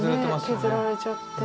削られちゃって。